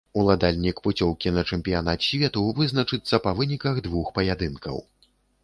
Уладальнік пуцёўкі на чэмпіянат свету вызначыцца па выніках двух паядынкаў.